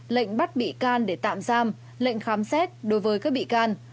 lệnh bắt bị can để tạm giam lệnh khám xét đối với các bị can